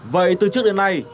vậy từ trước đến nay